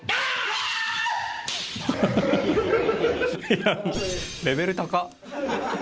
いや、レベル高っ！